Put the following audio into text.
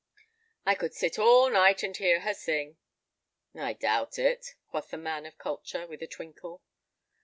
"I could sit all night and hear her sing." "I doubt it," quoth the man of culture, with a twinkle.